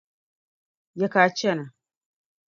Ya ka a chana?